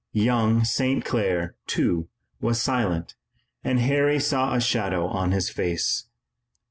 Young St. Clair, too, was silent and Harry saw a shadow on his face.